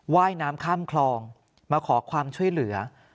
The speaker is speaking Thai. ว่ายน้ำข้ามคลองมาขอความช่วยเหลือ